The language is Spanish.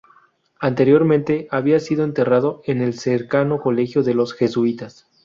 Anteriormente, había sido enterrado en el cercano colegio de los Jesuitas.